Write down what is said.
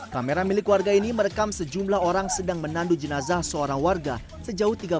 kamera milik warga ini merekam sejumlah orang sedang menandu jenazah seorang warga sejauh tiga puluh